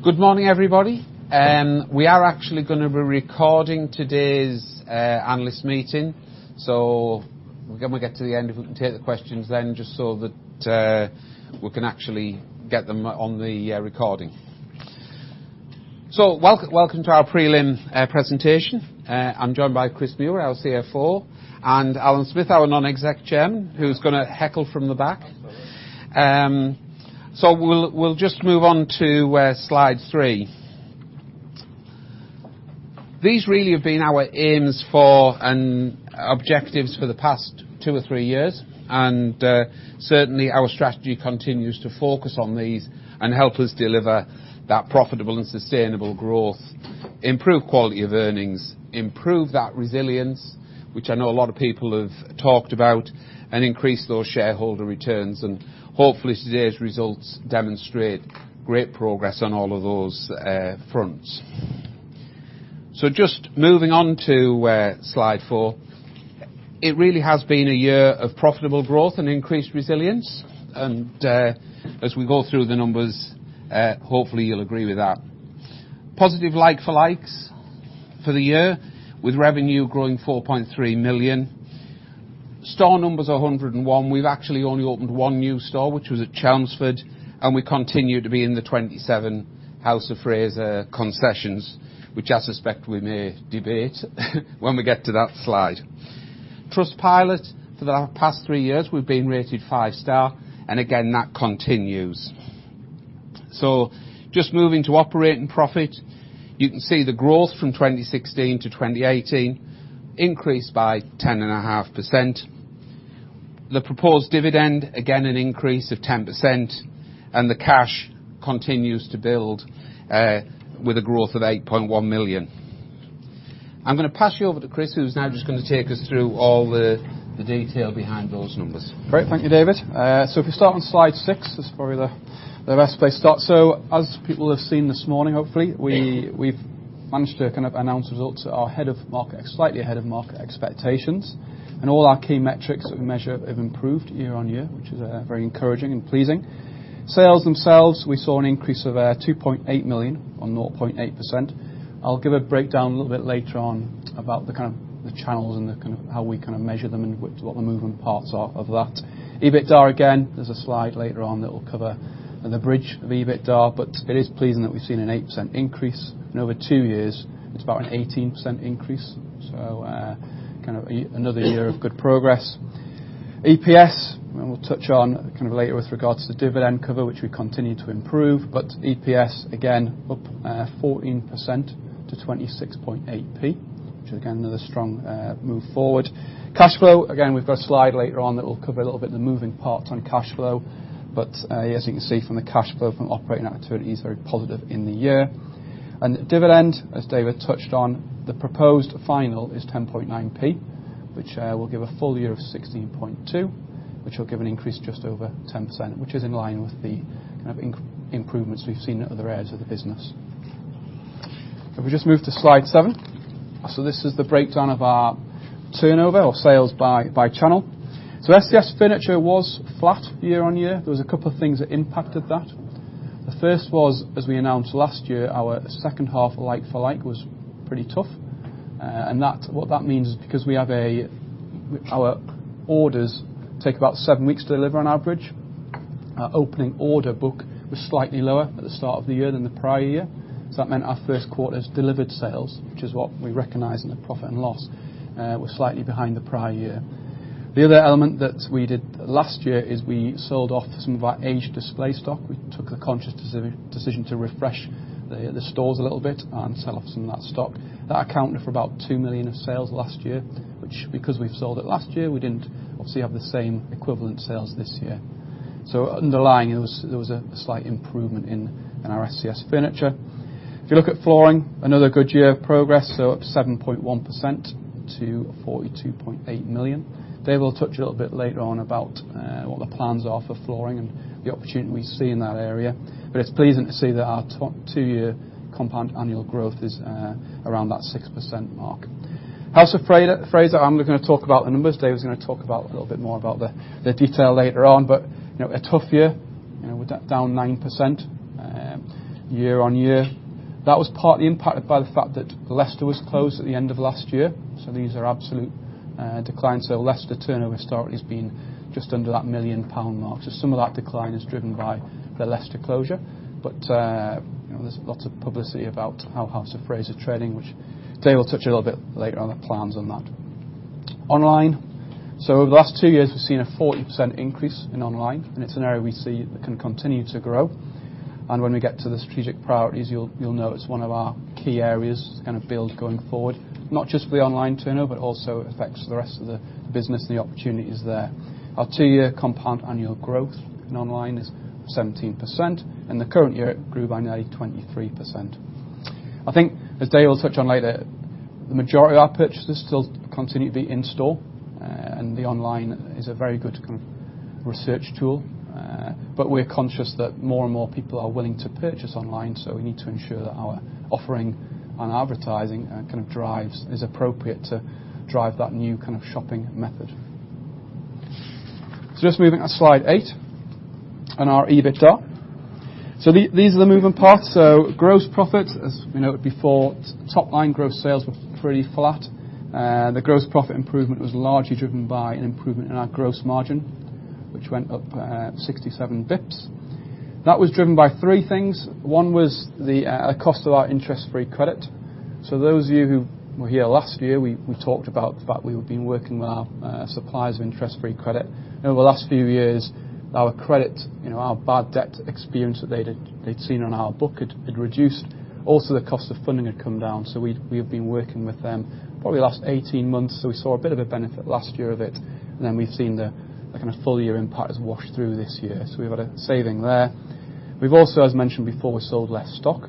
Good morning, everybody. We are actually going to be recording today's analyst meeting. When we get to the end, if we can take the questions then just so that we can actually get them on the recording. Welcome to our prelim presentation. I'm joined by Chris Muir, our CFO, and Alan Smith, our Non-Exec Chairman, who's going to heckle from the back. We will just move on to slide three. These really have been our aims and objectives for the past two or three years. Certainly, our strategy continues to focus on these and help us deliver that profitable and sustainable growth, improve quality of earnings, improve that resilience, which I know a lot of people have talked about, and increase those shareholder returns. Hopefully, today's results demonstrate great progress on all of those fronts. Just moving on to slide four. It really has been a year of profitable growth and increased resilience. As we go through the numbers, hopefully, you'll agree with that. Positive like-for-likes for the year, with revenue growing 4.3 million. Store numbers are 101. We've actually only opened one new store, which was at Chelmsford. We continue to be in the 27 House of Fraser concessions, which I suspect we may debate when we get to that slide. Trustpilot for the past three years, we've been rated five star. That continues. Just moving to operating profit, you can see the growth from 2016 to 2018 increased by 10.5%. The proposed dividend, again, an increase of 10%. The cash continues to build with a growth of 8.1 million. I'm going to pass you over to Chris, who's now just going to take us through all the detail behind those numbers. Great. Thank you, David. If we start on slide six, that's probably the best place to start. As people have seen this morning, hopefully, we've managed to kind of announce results that are slightly ahead of market expectations. All our key metrics that we measure have improved year on year, which is very encouraging and pleasing. Sales themselves, we saw an increase of 2.8 million or 0.8%. I'll give a breakdown a little bit later on about the kind of channels and how we kind of measure them and what the moving parts are of that. EBITDA, again, there's a slide later on that will cover the bridge of EBITDA. It is pleasing that we've seen an 8% increase. In over two years, it's about an 18% increase. Kind of another year of good progress. EPS, we'll touch on kind of later with regards to dividend cover, which we continue to improve. But EPS, again, up 14% to GBP 26.8p, which is again another strong move forward. Cash flow, again, we've got a slide later on that will cover a little bit of the moving parts on cash flow. As you can see from the cash flow from operating activities, very positive in the year. Dividend, as David touched on, the proposed final is GBP 10.9p, which will give a full year of GBP 16.2p, which will give an increase just over 10%, which is in line with the kind of improvements we've seen in other areas of the business. If we just move to slide seven. This is the breakdown of our turnover or sales by channel. ScS Furniture was flat year on year. There was a couple of things that impacted that. The first was, as we announced last year, our second half of like for like was pretty tough. What that means is because we have our orders take about seven weeks to deliver on average, our opening order book was slightly lower at the start of the year than the prior year. That meant our first quarter's delivered sales, which is what we recognize in the profit and loss, were slightly behind the prior year. The other element that we did last year is we sold off some of our aged display stock. We took the conscious decision to refresh the stores a little bit and sell off some of that stock. That accounted for about 2 million of sales last year, which because we have sold it last year, we did not obviously have the same equivalent sales this year. Underlying, there was a slight improvement in our ScS Furniture. If you look at flooring, another good year of progress, so up 7.1% to 42.8 million. David will touch a little bit later on about what the plans are for flooring and the opportunity we see in that area. It is pleasing to see that our two-year compound annual growth is around that 6% mark. House of Fraser, I am going to talk about the numbers. David is going to talk a little bit more about the detail later on. A tough year with that down 9% year on year. That was partly impacted by the fact that Leicester was closed at the end of last year. These are absolute declines. Leicester turnover historically has been just under that 1 million pound mark. Some of that decline is driven by the Leicester closure. There is lots of publicity about how House of Fraser is trading, which David will touch a little bit later on the plans on that. Online, over the last two years, we've seen a 40% increase in online. It's an area we see that can continue to grow. When we get to the strategic priorities, you'll know it's one of our key areas to kind of build going forward, not just for the online turnover, but also it affects the rest of the business and the opportunities there. Our two-year compound annual growth in online is 17%. In the current year, it grew by nearly 23%. I think, as David will touch on later, the majority of our purchases still continue to be in store. The online is a very good kind of research tool. We are conscious that more and more people are willing to purchase online. We need to ensure that our offering on advertising is appropriate to drive that new kind of shopping method. Moving on to slide eight on our EBITDA. These are the moving parts. Gross profit, as we noted before, top-line gross sales were pretty flat. The gross profit improvement was largely driven by an improvement in our gross margin, which went up 67 bps. That was driven by three things. One was the cost of our interest-free credit. Those of you who were here last year, we talked about the fact we had been working with our suppliers of interest-free credit. Over the last few years, our credit, our bad debt experience that they had seen on our book, had reduced. Also, the cost of funding had come down. We had been working with them probably the last 18 months. We saw a bit of a benefit last year of it. We have seen the kind of full-year impact washed through this year. We have had a saving there. We have also, as mentioned before, sold less stock,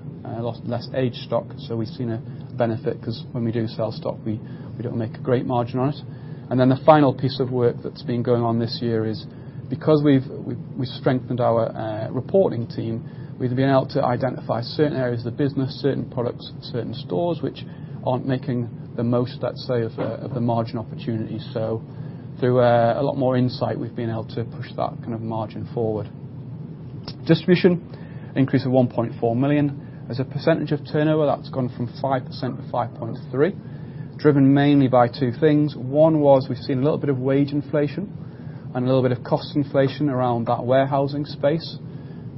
less aged stock. We have seen a benefit because when we do sell stock, we do not make a great margin on it. The final piece of work that has been going on this year is because we have strengthened our reporting team, we have been able to identify certain areas of the business, certain products, certain stores which are not making the most, let's say, of the margin opportunity. Through a lot more insight, we have been able to push that kind of margin forward. Distribution, increase of 1.4 million. As a percentage of turnover, that's gone from 5% to 5.3%, driven mainly by two things. One was we've seen a little bit of wage inflation and a little bit of cost inflation around that warehousing space.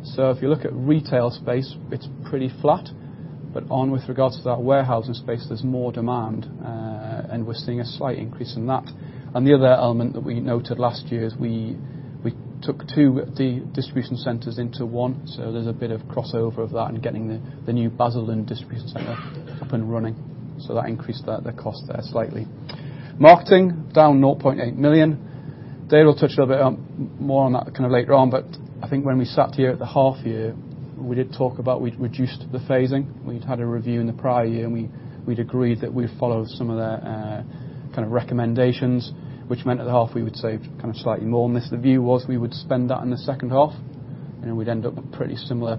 If you look at retail space, it's pretty flat. With regards to that warehousing space, there's more demand. We're seeing a slight increase in that. The other element that we noted last year is we took two distribution centers into one. There's a bit of crossover of that and getting the new Basel & Distribution Center up and running. That increased the cost there slightly. Marketing, down 0.8 million. David will touch a little bit more on that kind of later on. I think when we sat here at the half year, we did talk about we'd reduced the phasing. We'd had a review in the prior year. We'd agreed that we'd follow some of the kind of recommendations, which meant at the half, we would save kind of slightly more. The view was we would spend that in the second half. We'd end up with pretty similar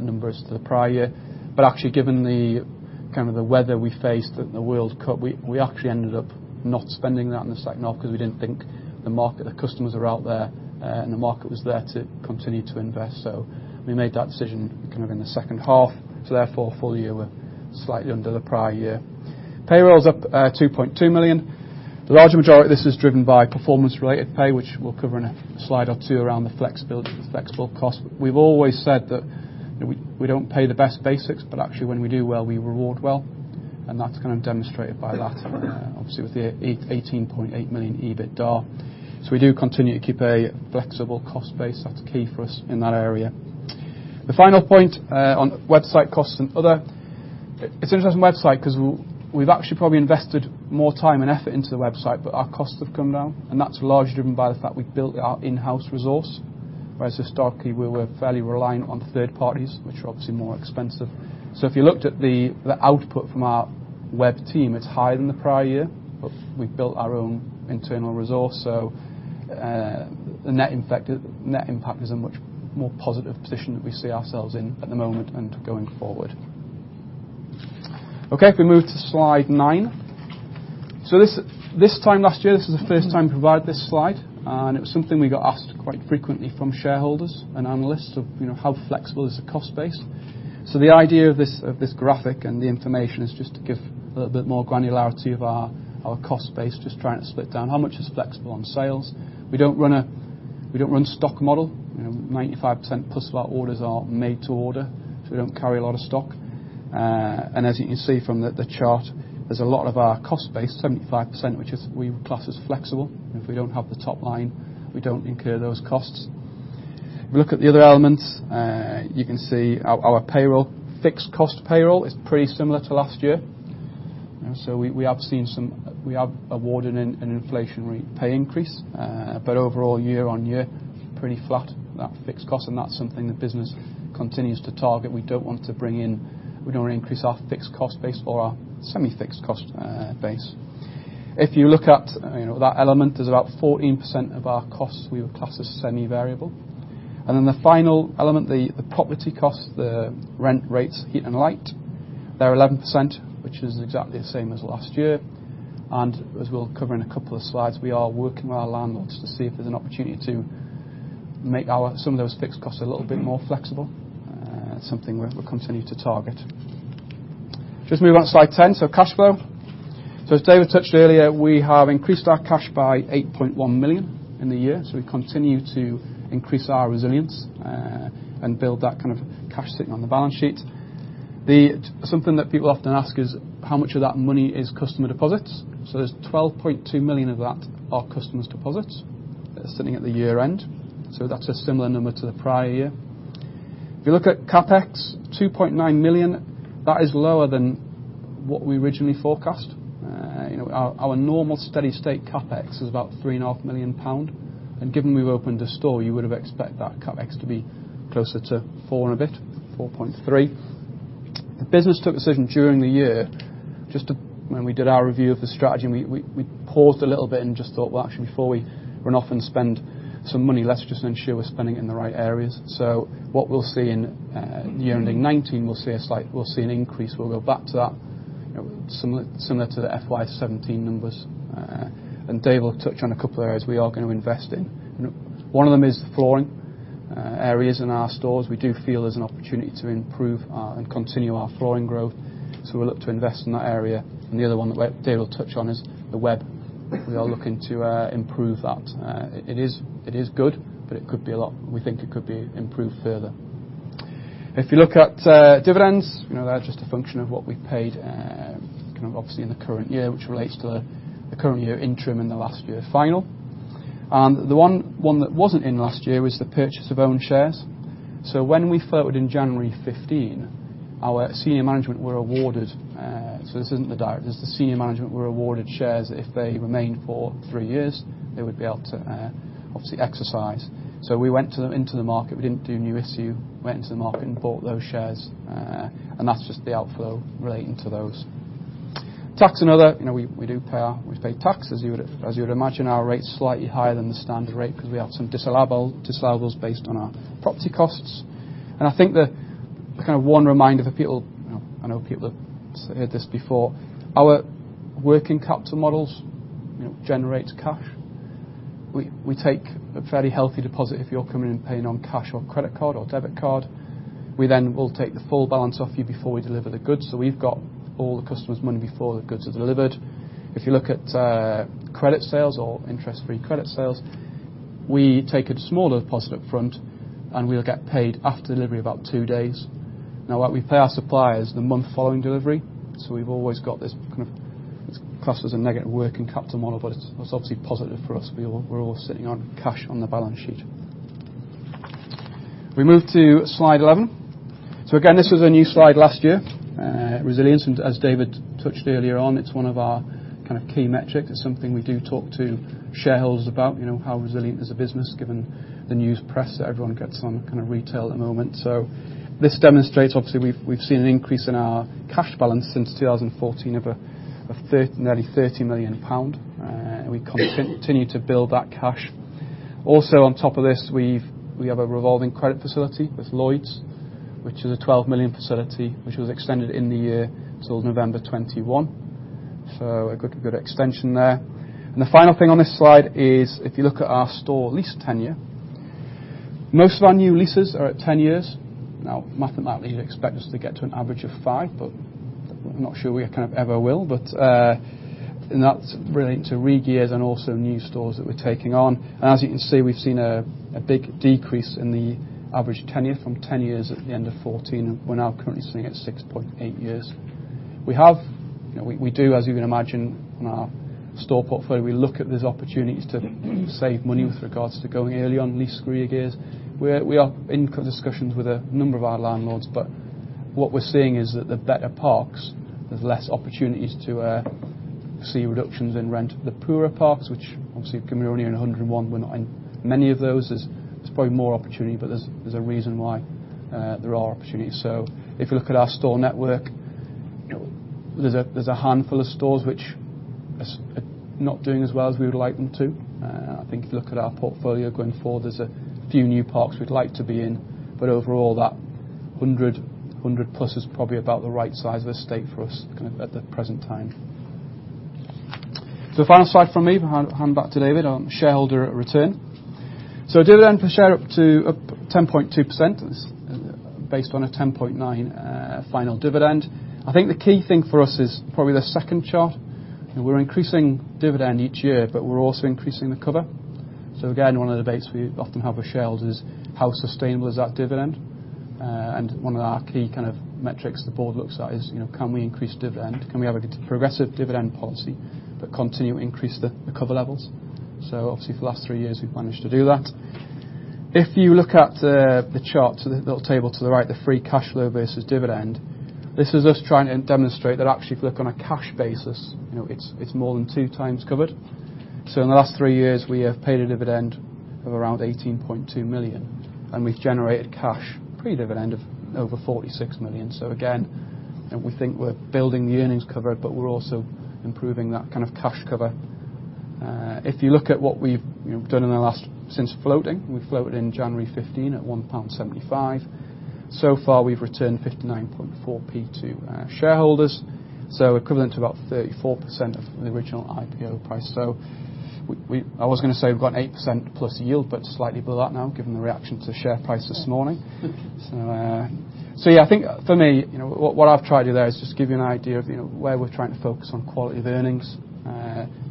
numbers to the prior year. Actually, given the kind of the weather we faced at the World Cup, we actually ended up not spending that in the second half because we didn't think the market, the customers are out there. The market was there to continue to invest. We made that decision kind of in the second half. Therefore, full year were slightly under the prior year. Payroll's up 2.2 million. The larger majority of this is driven by performance-related pay, which we'll cover in a slide or two around the flexible cost. We've always said that we don't pay the best basics. But actually, when we do well, we reward well. And that's kind of demonstrated by that, obviously, with the 18.8 million EBITDA. We do continue to keep a flexible cost base. That's key for us in that area. The final point on website costs and other. It's an interesting website because we've actually probably invested more time and effort into the website. But our costs have come down. That's largely driven by the fact we've built our in-house resource. Whereas historically, we were fairly reliant on third parties, which are obviously more expensive. If you looked at the output from our web team, it's higher than the prior year. But we've built our own internal resource. The net impact is a much more positive position that we see ourselves in at the moment and going forward. Okay. If we move to slide nine. This time last year, this was the first time we provided this slide. It was something we got asked quite frequently from shareholders and analysts of how flexible is the cost base. The idea of this graphic and the information is just to give a little bit more granularity of our cost base, just trying to split down how much is flexible on sales. We do not run a stock model. 95%+ of our orders are made to order. We do not carry a lot of stock. As you can see from the chart, there is a lot of our cost base, 75%, which we class as flexible. If we do not have the top line, we do not incur those costs. If we look at the other elements, you can see our payroll, fixed cost payroll is pretty similar to last year. We have seen some, we have awarded an inflationary pay increase. Overall, year on year, pretty flat, that fixed cost. That is something the business continues to target. We do not want to bring in, we do not want to increase our fixed cost base or our semi-fixed cost base. If you look at that element, there is about 14% of our costs we would class as semi-variable. The final element, the property costs, the rent rates, heat and light, they are 11%, which is exactly the same as last year. As we will cover in a couple of slides, we are working with our landlords to see if there is an opportunity to make some of those fixed costs a little bit more flexible, something we will continue to target. Just move on to slide 10. Cash flow. As David touched earlier, we have increased our cash by 8.1 million in the year. We continue to increase our resilience and build that kind of cash sitting on the balance sheet. Something that people often ask is how much of that money is customer deposits. There is 12.2 million of that which are customer deposits that are sitting at the year-end. That is a similar number to the prior year. If you look at CapEx, 2.9 million, that is lower than what we originally forecast. Our normal steady-state CapEx is about 3.5 million pound. Given we have opened a store, you would have expected that CapEx to be closer to 4 million and a bit, 4.3 million. The business took a decision during the year. Just when we did our review of the strategy, we paused a little bit and just thought, actually, before we run off and spend some money, let's just ensure we're spending it in the right areas. What we'll see in year ending 2019, we'll see an increase. We'll go back to that, similar to the FY 2017 numbers. David will touch on a couple of areas we are going to invest in. One of them is the flooring areas in our stores. We do feel there's an opportunity to improve and continue our flooring growth. We'll look to invest in that area. The other one that David will touch on is the web. We are looking to improve that. It is good. It could be a lot, we think it could be improved further. If you look at dividends, they're just a function of what we've paid kind of obviously in the current year, which relates to the current year interim and the last year final. The one that wasn't in last year was the purchase of own shares. When we floated in January 2015, our senior management were awarded. This isn't the directors. The senior management were awarded shares that if they remained for three years, they would be able to obviously exercise. We went into the market. We didn't do new issue. We went into the market and bought those shares. That's just the outflow relating to those. Tax and other. We do pay our we've paid taxes. As you would imagine, our rate's slightly higher than the standard rate because we have some disallowables based on our property costs. I think the kind of one reminder for people, I know people have heard this before. Our working capital models generate cash. We take a fairly healthy deposit if you're coming in and paying on cash or credit card or debit card. We then will take the full balance off you before we deliver the goods. We've got all the customers' money before the goods are delivered. If you look at credit sales or interest-free credit sales, we take a smaller deposit upfront. We'll get paid after delivery, about two days. We pay our suppliers the month following delivery. We've always got this kind of, it's classed as a negative working capital model, but it's obviously positive for us. We're all sitting on cash on the balance sheet. We move to slide 11. This was a new slide last year. Resilience, as David touched earlier on, it's one of our kind of key metrics. It's something we do talk to shareholders about, how resilient is a business given the news press that everyone gets on kind of retail at the moment. This demonstrates, obviously, we've seen an increase in our cash balance since 2014 of nearly 30 million pound. We continue to build that cash. Also, on top of this, we have a revolving credit facility with Lloyds, which is a 12 million facility, which was extended in the year till November 2021. A good extension there. The final thing on this slide is if you look at our store lease tenure, most of our new leases are at 10 years. Now, mathematically, you'd expect us to get to an average of five. I'm not sure we kind of ever will. That is relating to reg years and also new stores that we are taking on. As you can see, we have seen a big decrease in the average tenure from 10 years at the end of 2014. We are now currently sitting at 6.8 years. We do, as you can imagine, on our store portfolio, look at these opportunities to save money with regards to going early on lease reg years. We are in discussions with a number of our landlords. What we are seeing is that the better parks, there are less opportunities to see reductions in rent. The poorer parks, which obviously, given we are only in 101, we are not in many of those, there is probably more opportunity. There is a reason why there are opportunities. If you look at our store network, there is a handful of stores which are not doing as well as we would like them to. I think if you look at our portfolio going forward, there's a few new parks we'd like to be in. Overall, that 100+ is probably about the right size of estate for us kind of at the present time. The final slide from me. Hand back to David on shareholder return. Dividend per share up to 10.2% based on a 10.9 final dividend. I think the key thing for us is probably the second chart. We're increasing dividend each year. We're also increasing the cover. One of the debates we often have with shareholders is how sustainable is that dividend. One of our key kind of metrics the board looks at is can we increase dividend? Can we have a progressive dividend policy but continue to increase the cover levels? For the last three years, we've managed to do that. If you look at the chart, so the little table to the right, the free cash flow versus dividend, this is us trying to demonstrate that actually, if you look on a cash basis, it is more than two times covered. In the last three years, we have paid a dividend of around 18.2 million. We have generated cash pre-dividend of over 46 million. Again, we think we are building the earnings cover, but we are also improving that kind of cash cover. If you look at what we have done since floating, we floated in January 2015 at 1.75 pound. So far, we have returned GBP 59.4p to shareholders, so equivalent to about 34% of the original IPO price. I was going to say we have got an 8%+ yield, but it is slightly below that now given the reaction to share price this morning. Yeah, I think for me, what I've tried to do there is just give you an idea of where we're trying to focus on quality of earnings,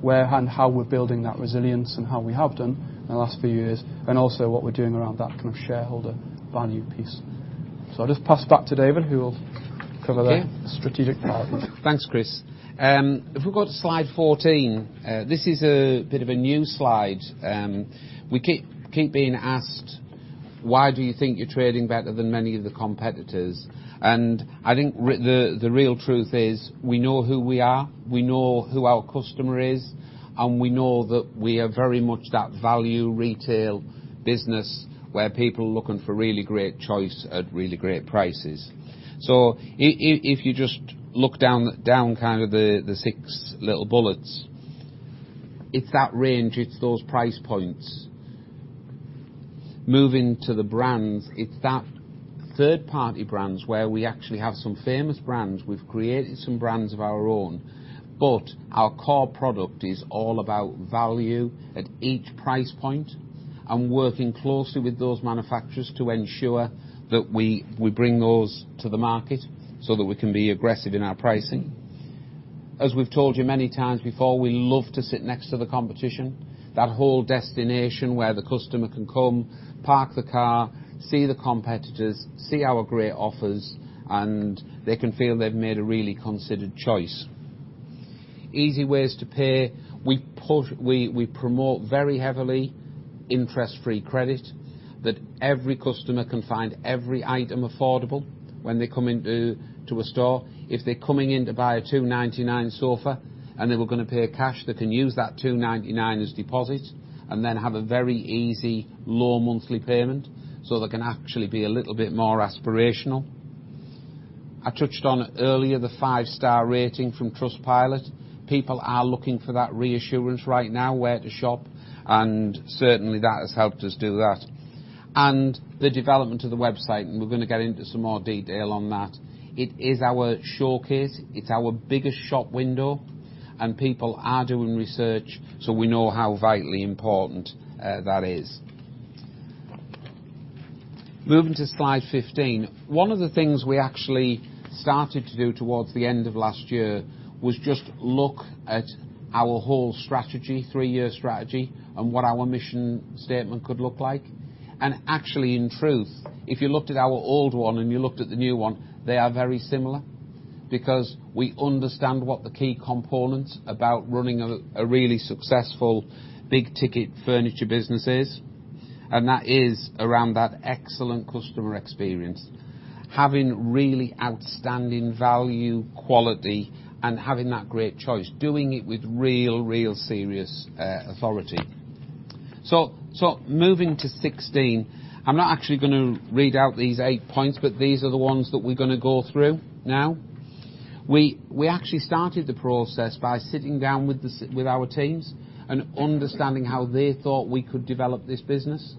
where and how we're building that resilience and how we have done in the last few years, and also what we're doing around that kind of shareholder value piece. I'll just pass back to David, who will cover the strategic part. Thanks, Chris. If we go to slide 14, this is a bit of a new slide. We keep being asked, why do you think you're trading better than many of the competitors? I think the real truth is we know who we are. We know who our customer is. We know that we are very much that value retail business where people are looking for really great choice at really great prices. If you just look down kind of the six little bullets, it's that range. It's those price points. Moving to the brands, it's that third-party brands where we actually have some famous brands. We've created some brands of our own. Our core product is all about value at each price point and working closely with those manufacturers to ensure that we bring those to the market so that we can be aggressive in our pricing. As we've told you many times before, we love to sit next to the competition, that whole destination where the customer can come, park the car, see the competitors, see our great offers, and they can feel they've made a really considered choice. Easy ways to pay. We promote very heavily interest-free credit that every customer can find every item affordable when they come into a store. If they're coming in to buy a 299 sofa and they were going to pay cash, they can use that 299 as deposit and then have a very easy low monthly payment so they can actually be a little bit more aspirational. I touched on earlier the five-star rating from Trustpilot. People are looking for that reassurance right now where to shop. Certainly, that has helped us do that. The development of the website, and we're going to get into some more detail on that. It is our showcase. It's our biggest shop window. People are doing research. We know how vitally important that is. Moving to slide 15, one of the things we actually started to do towards the end of last year was just look at our whole strategy, three-year strategy, and what our mission statement could look like. Actually, in truth, if you looked at our old one and you looked at the new one, they are very similar because we understand what the key components about running a really successful big-ticket furniture business is. That is around that excellent customer experience, having really outstanding value, quality, and having that great choice, doing it with real, real serious authority. Moving to 16, I'm not actually going to read out these eight points. These are the ones that we're going to go through now. We actually started the process by sitting down with our teams and understanding how they thought we could develop this business.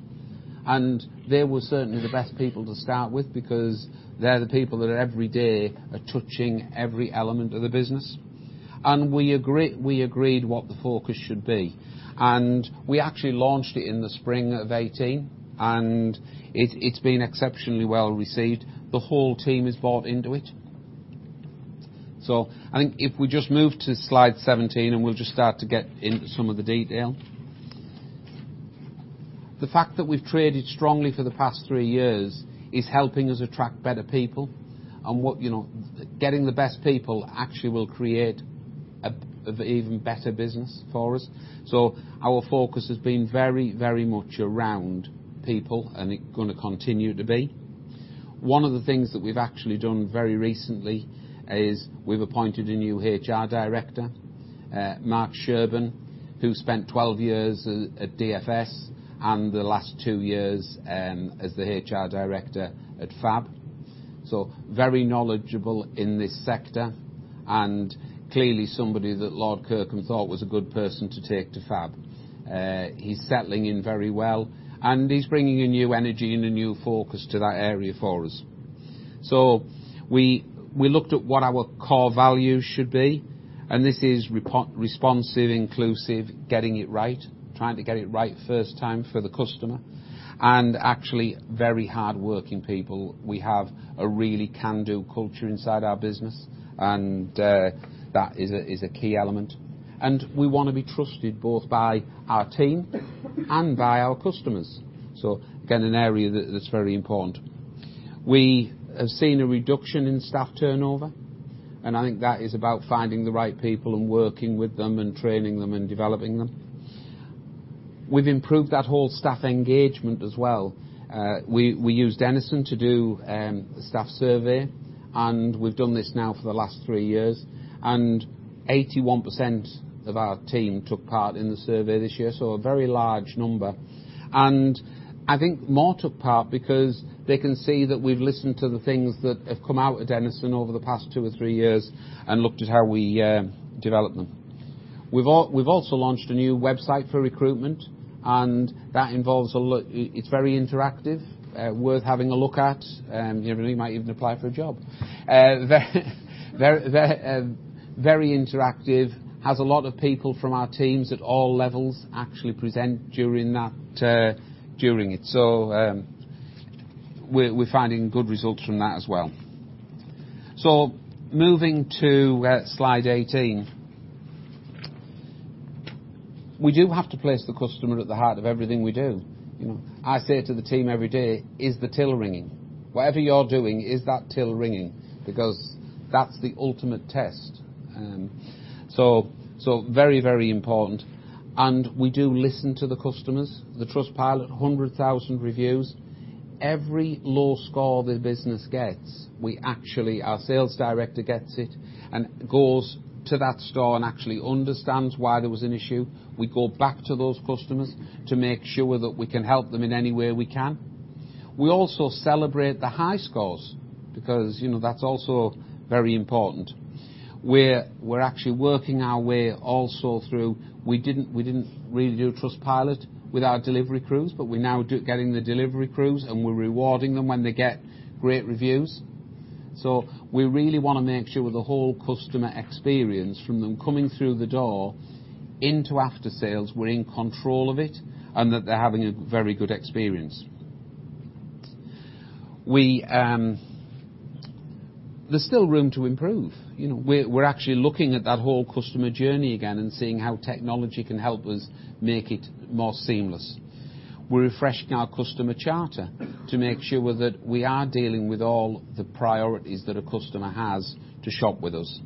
They were certainly the best people to start with because they're the people that every day are touching every element of the business. We agreed what the focus should be. We actually launched it in the spring of 2018. It has been exceptionally well received. The whole team has bought into it. If we just move to slide 17, we will start to get into some of the detail. The fact that we have traded strongly for the past three years is helping us attract better people. Getting the best people actually will create an even better business for us. Our focus has been very, very much around people, and it is going to continue to be. One of the things that we have actually done very recently is we have appointed a new HR Director, Mark Sherban, who spent 12 years at DFS and the last two years as the HR Director at Fab. Very knowledgeable in this sector and clearly somebody that Lord Kirkham thought was a good person to take to Fab. He's settling in very well. He's bringing a new energy and a new focus to that area for us. We looked at what our core values should be. This is responsive, inclusive, getting it right, trying to get it right first time for the customer, and actually very hardworking people. We have a really can-do culture inside our business. That is a key element. We want to be trusted both by our team and by our customers. Again, an area that's very important. We have seen a reduction in staff turnover. I think that is about finding the right people and working with them and training them and developing them. We've improved that whole staff engagement as well. We used Denison to do a staff survey. We've done this now for the last three years. 81% of our team took part in the survey this year, so a very large number. I think more took part because they can see that we've listened to the things that have come out of Denison over the past two or three years and looked at how we develop them. We've also launched a new website for recruitment. That involves a lot, it's very interactive, worth having a look at. You might even apply for a job. Very interactive. Has a lot of people from our teams at all levels actually present during it. We're finding good results from that as well. Moving to slide 18, we do have to place the customer at the heart of everything we do. I say to the team every day, "Is the till ringing? Whatever you're doing, is that till ringing?" Because that's the ultimate test. Very, very important. We do listen to the customers. Trustpilot, 100,000 reviews. Every low score the business gets, our Sales Director gets it and goes to that store and actually understands why there was an issue. We go back to those customers to make sure that we can help them in any way we can. We also celebrate the high scores because that's also very important. We're actually working our way also through we didn't really do Trustpilot with our delivery crews. We're now getting the delivery crews, and we're rewarding them when they get great reviews. We really want to make sure the whole customer experience from them coming through the door into after-sales, we're in control of it and that they're having a very good experience. There's still room to improve. We're actually looking at that whole customer journey again and seeing how technology can help us make it more seamless. We're refreshing our customer charter to make sure that we are dealing with all the priorities that a customer has to shop with us.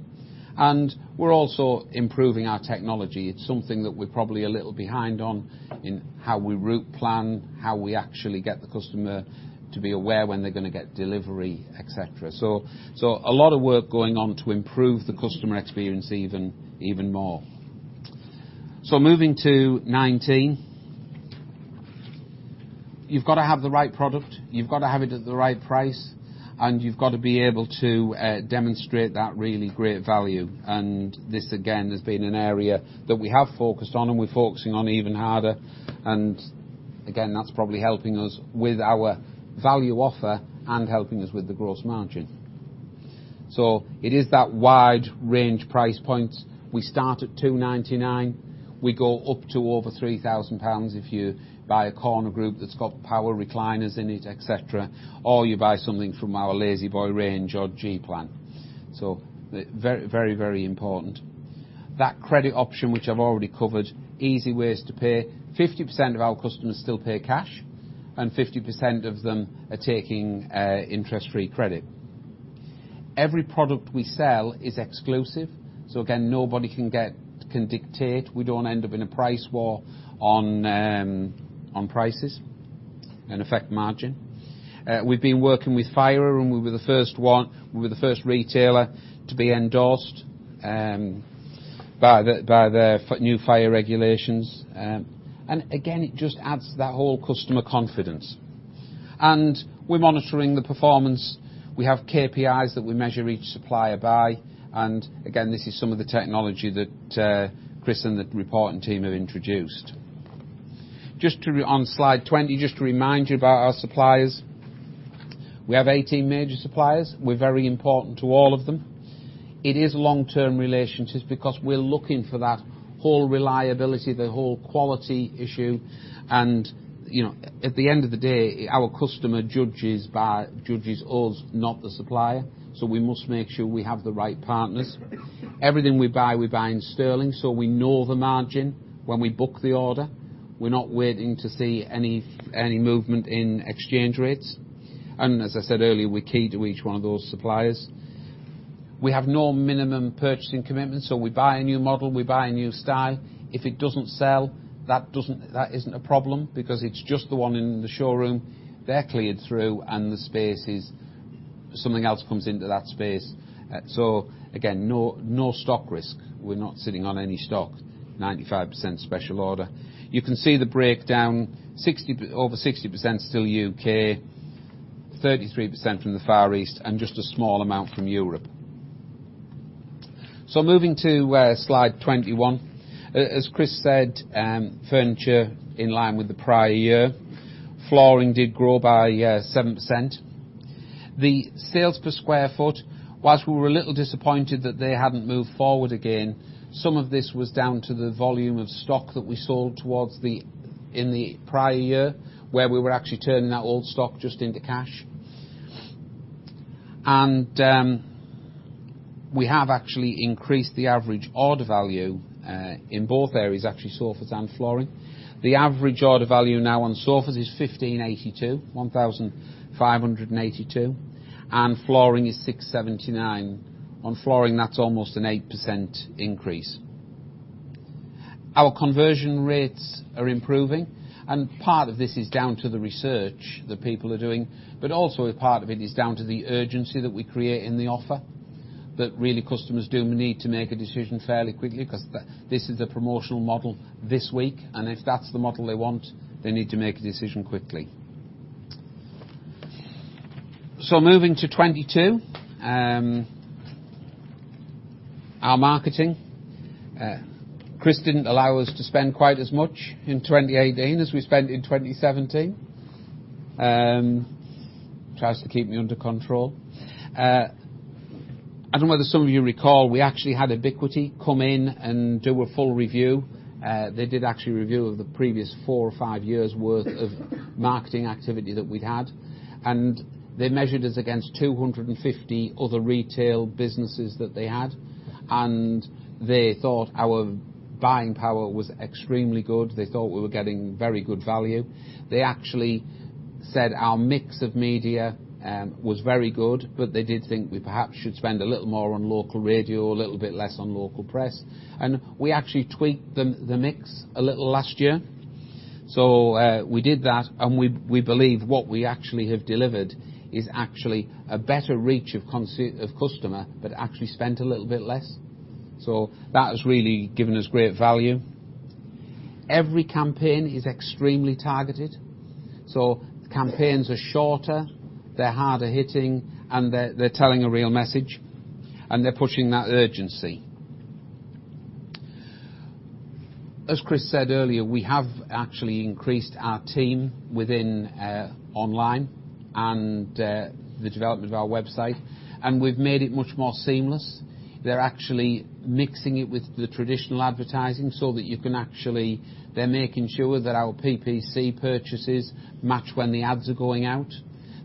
We're also improving our technology. It's something that we're probably a little behind on in how we route plan, how we actually get the customer to be aware when they're going to get delivery, etc. A lot of work going on to improve the customer experience even more. Moving to 2019, you've got to have the right product. You've got to have it at the right price. You've got to be able to demonstrate that really great value. This, again, has been an area that we have focused on. We're focusing on it even harder. That is probably helping us with our value offer and helping us with the gross margin. It is that wide range price point. We start at 299. We go up to over 3,000 pounds if you buy a corner group that has power recliners in it, etc., or you buy something from our La-Z-Boy range or G Plan. Very, very important. That credit option, which I have already covered, easy ways to pay. 50% of our customers still pay cash. 50% of them are taking interest-free credit. Every product we sell is exclusive. Nobody can dictate. We do not end up in a price war on prices and affect margin. We have been working with Fire. We were the first retailer to be endorsed by the new fire regulations. It just adds to that whole customer confidence. We are monitoring the performance. We have KPIs that we measure each supplier by. This is some of the technology that Chris and the reporting team have introduced. On slide 20, just to remind you about our suppliers, we have 18 major suppliers. We are very important to all of them. It is long-term relationships because we are looking for that whole reliability, the whole quality issue. At the end of the day, our customer judges us, not the supplier. We must make sure we have the right partners. Everything we buy, we buy in GBP. We know the margin when we book the order. We are not waiting to see any movement in exchange rates. As I said earlier, we are key to each one of those suppliers. We have no minimum purchasing commitment. We buy a new model. We buy a new style. If it doesn't sell, that isn't a problem because it's just the one in the showroom. They're cleared through. Something else comes into that space. Again, no stock risk. We're not sitting on any stock. 95% special order. You can see the breakdown. Over 60% still U.K., 33% from the Far East, and just a small amount from Europe. Moving to slide 21, as Chris said, furniture in line with the prior year. Flooring did grow by 7%. The sales per square foot, whilst we were a little disappointed that they hadn't moved forward again, some of this was down to the volume of stock that we sold towards in the prior year where we were actually turning that old stock just into cash. We have actually increased the average order value in both areas, actually sofas and flooring. The average order value now on sofas is 1,582, 1,582. Flooring is 679. On flooring, that's almost an 8% increase. Our conversion rates are improving. Part of this is down to the research that people are doing. Also, part of it is down to the urgency that we create in the offer that really customers do need to make a decision fairly quickly because this is a promotional model this week. If that's the model they want, they need to make a decision quickly. Moving to 2022, our marketing. Chris did not allow us to spend quite as much in 2018 as we spent in 2017. Tries to keep me under control. I do not know whether some of you recall, we actually had Ebiquity come in and do a full review. They did actually review the previous four or five years' worth of marketing activity that we'd had. They measured us against 250 other retail businesses that they had. They thought our buying power was extremely good. They thought we were getting very good value. They actually said our mix of media was very good. They did think we perhaps should spend a little more on local radio, a little bit less on local press. We actually tweaked the mix a little last year. We did that. We believe what we actually have delivered is actually a better reach of customer but actually spent a little bit less. That has really given us great value. Every campaign is extremely targeted. Campaigns are shorter. They're harder hitting. They're telling a real message. They're pushing that urgency. As Chris said earlier, we have actually increased our team within online and the development of our website. We have made it much more seamless. They are actually mixing it with the traditional advertising so that you can actually—they are making sure that our PPC purchases match when the ads are going out.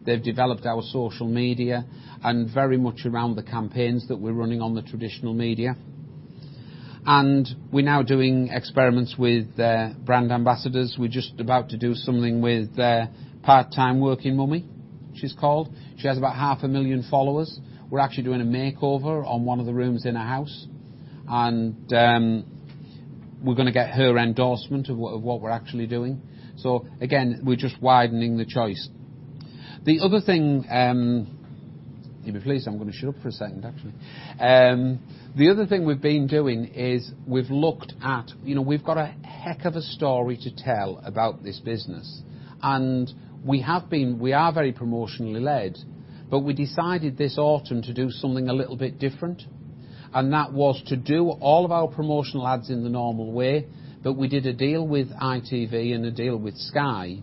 They have developed our social media and very much around the campaigns that we are running on the traditional media. We are now doing experiments with brand ambassadors. We are just about to do something with part-time working mummy, she is called. She has about 500,000 followers. We are actually doing a makeover on one of the rooms in her house. We are going to get her endorsement of what we are actually doing. Again, we are just widening the choice. The other thing—give me a please. I am going to shut up for a second, actually. The other thing we've been doing is we've looked at we've got a heck of a story to tell about this business. We are very promotionally led. We decided this autumn to do something a little bit different. That was to do all of our promotional ads in the normal way. We did a deal with ITV and a deal with Sky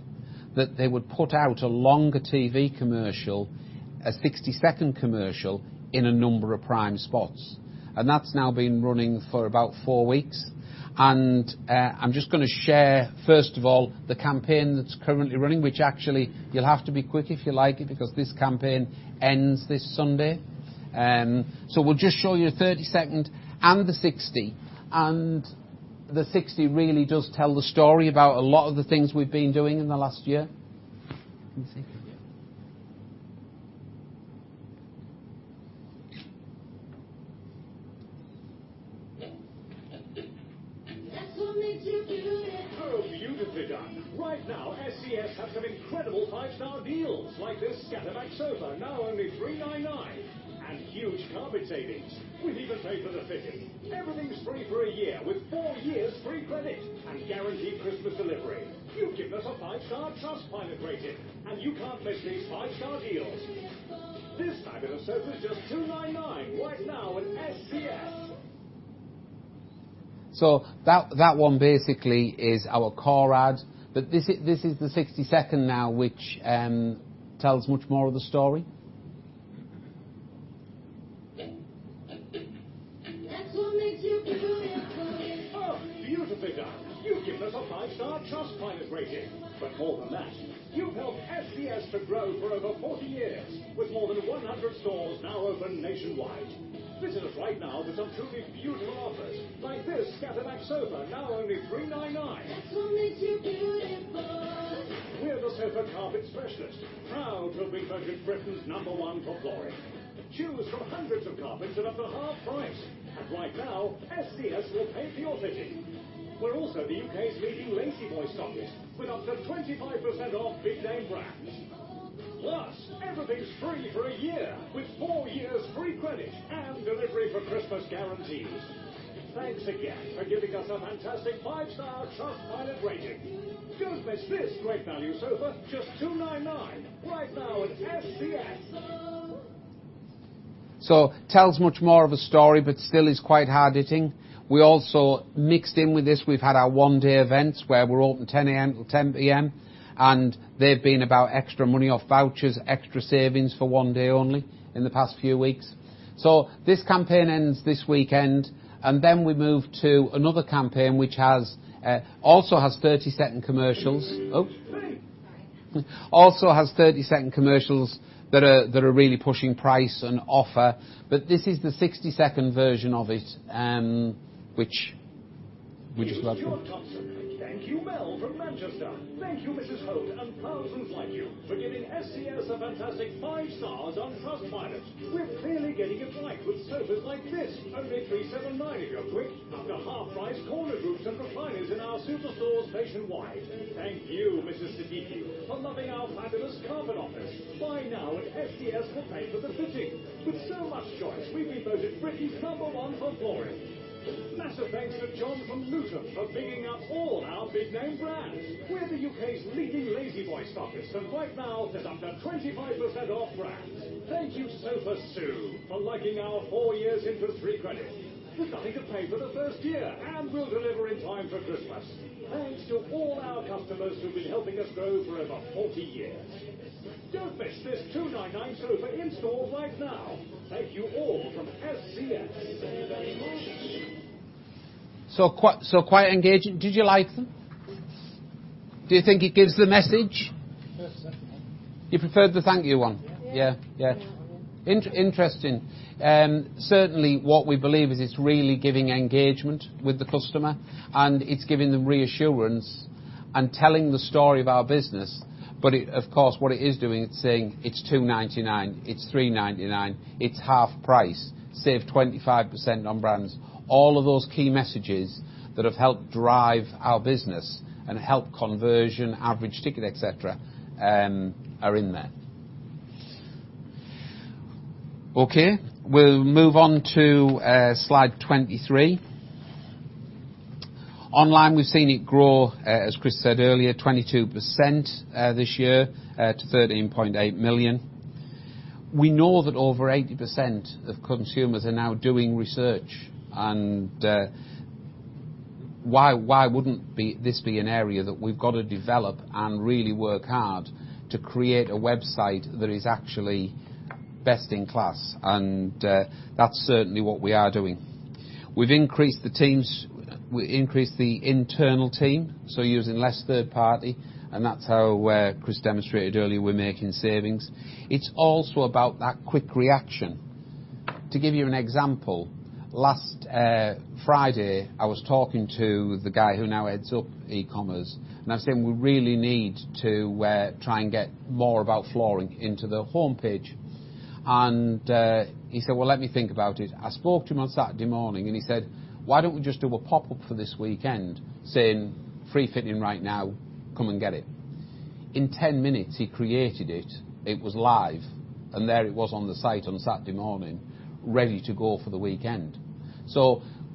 that they would put out a longer TV commercial, a 60-second commercial in a number of prime spots. That's now been running for about four weeks. I'm just going to share, first of all, the campaign that's currently running, which actually you'll have to be quick if you like it because this campaign ends this Sunday. We'll just show you the 30-second and the 60-second. The 60-second really does tell the story about a lot of the things we've been doing in the last year. Let me see. That's what makes you beautiful. Beautiful, Dan. Right now, ScS has some incredible five-star deals like this Scatterback sofa, now only GBP 399, and huge carpet savings. We've even paid for the fitting. Everything's free for a year with four years free credit and guaranteed Christmas delivery. You've given us a five-star Trustpilot rating. You can't miss these five-star deals. This Scatterback sofa's just GBP 299 right now at ScS. That one basically is our car ad. This is the 60-second now, which tells much more of the story. That's what makes you beautiful. Beautiful, done. You've given us a five-star Trustpilot rating. More than that, you've helped ScS to grow for over 40 years with more than 100 stores now open nationwide. Visit us right now for some truly beautiful offers like this Scatterback sofa, now only 399. That's what makes you beautiful. We're the sofa carpet specialists, proud to have been voted Britain's number one for flooring. Choose from hundreds of carpets at up to half price. Right now, ScS will pay your fitting. We're also the UK's leading La-Z-Boy stockist with up to 25% off big-name brands. Plus, everything's free for a year with four years free credit and delivery for Christmas guarantees. Thanks again for giving us a fantastic five-star Trustpilot rating. Don't miss this great value sofa, just 299 right now at ScS. It tells much more of a story but still is quite hard hitting. We also mixed in with this. We've had our one-day events where we're open 10:00 A.M.-10:00 P.M. They've been about extra money off vouchers, extra savings for one day only in the past few weeks. This campaign ends this weekend. We move to another campaign which also has 30-second commercials. Oh. Sorry. Sorry. Also has 30-second commercials that are really pushing price and offer. This is the 60-second version of it, which we just about finished. Thank you, Mel, from Manchester. Thank you, Mrs. Hoad, and thousands like you for giving ScS a fantastic five stars on Trustpilot. We're clearly getting it right with sofas like this, only 379 if you're quick, up to half price corner groups and recliners in our superstores nationwide. Thank you, Mrs. Siddiqui, for loving our fabulous carpet offer. Buy now at ScS for paid for the fitting. With so much choice, we've been voted Britain's number one for flooring. Massive thanks to John from Luton for bigging up all our big-name brands. We're the U.K.'s leading La-Z-Boy stockist. Right now, there's up to 25% off brands. Thank you, SofaSoo, for liking our four years interest-free credit. We've got it to pay for the first year. We'll deliver in time for Christmas. Thanks to all our customers who've been helping us grow for over 40 years. Don't miss this 299 sofa in stores right now. Thank you all from ScS. Quite engaging. Did you like them? Do you think it gives the message? Yes. You preferred the thank you one? Yeah. Yeah. Yeah. Interesting. Certainly, what we believe is it's really giving engagement with the customer. It's giving them reassurance and telling the story of our business. Of course, what it is doing, it's saying it's 299, it's 399, it's half price, save 25% on brands. All of those key messages that have helped drive our business and help conversion, average ticket, etc., are in there. Okay. We'll move on to slide 23. Online, we've seen it grow, as Chris said earlier, 22% this year to 13.8 million. We know that over 80% of consumers are now doing research. Why wouldn't this be an area that we've got to develop and really work hard to create a website that is actually best in class? That's certainly what we are doing. We've increased the internal team, so using less third party. That's how Chris demonstrated earlier, we're making savings. It's also about that quick reaction. To give you an example, last Friday, I was talking to the guy who now heads up e-commerce. I was saying, "We really need to try and get more about flooring into the homepage." He said, "Let me think about it." I spoke to him on Saturday morning. He said, "Why don't we just do a pop-up for this weekend saying, 'Free fitting right now. Come and get it'?" In 10 minutes, he created it. It was live. There it was on the site on Saturday morning, ready to go for the weekend.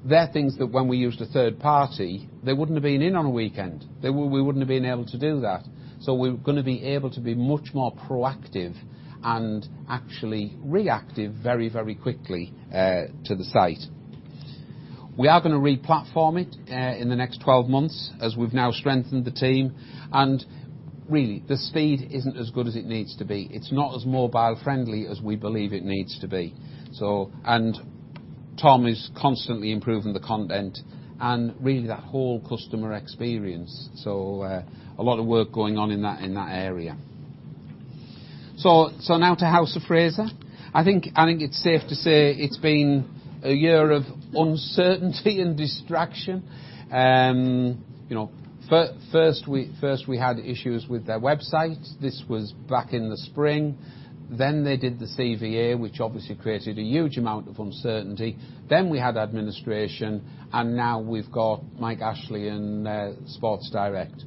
There are things that when we used a third party, they would not have been in on a weekend. We would not have been able to do that. We are going to be able to be much more proactive and actually reactive very, very quickly to the site. We are going to replatform it in the next 12 months as we have now strengthened the team. Really, the speed is not as good as it needs to be. It is not as mobile-friendly as we believe it needs to be. Tom is constantly improving the content and really that whole customer experience. A lot of work is going on in that area. Now to House of Fraser. I think it is safe to say it has been a year of uncertainty and distraction. First, we had issues with their website. This was back in the spring. They did the CVA, which obviously created a huge amount of uncertainty. We had administration. Now we have Mike Ashley and Sports Direct.